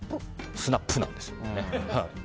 スナップなんですよ。